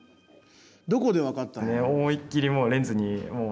どこで分かったの？